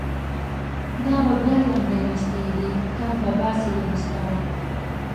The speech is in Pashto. دا به بیا لنډۍ مستیږی، تن به باسی له بستره